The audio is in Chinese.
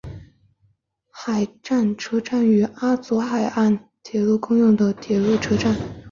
海部车站与阿佐海岸铁道共用的铁路车站。